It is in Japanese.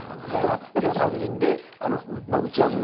じゃあ３人で打ち上げもやる？